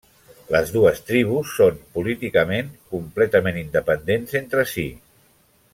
Les dues tribus són políticament completament independents entre si.